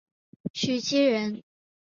徐积人。